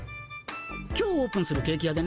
今日オープンするケーキ屋でね